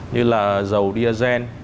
như là dầu diazen